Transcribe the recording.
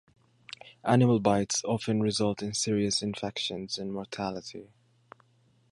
Animal bites often result in serious infections and mortality.